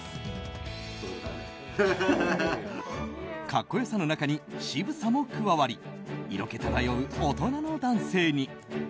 格好良さの中に渋さも加わり色気漂う大人の男性に。